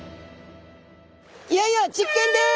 いよいよ実験です。